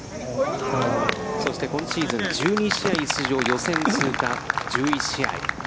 そして、今シーズン１２試合出場予選通過が１１試合。